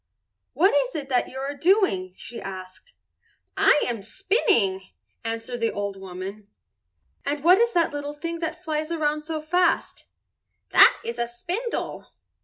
"What is that you are doing?" she asked. "I am spinning," answered the old woman. "And what is that little thing that flies around so fast?" "That is a spindle."